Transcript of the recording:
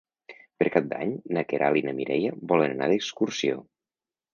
Per Cap d'Any na Queralt i na Mireia volen anar d'excursió.